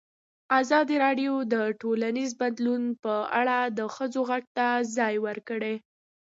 ازادي راډیو د ټولنیز بدلون په اړه د ښځو غږ ته ځای ورکړی.